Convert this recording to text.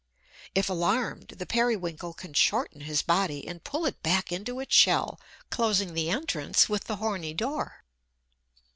If alarmed, the Periwinkle can shorten his body, and pull it back into its shell, closing the entrance with the horny door.